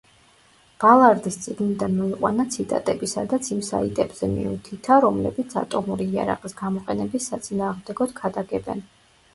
ბალარდის წიგნიდან მოიყვანა ციტატები, სადაც იმ საიტებზე მიუთითა, რომლებიც ატომური იარაღის გამოყენების საწინააღმდეგოდ ქადაგებენ.